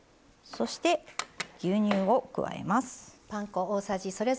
そして牛乳を加えます。